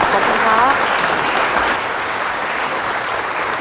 ขอบคุณครับ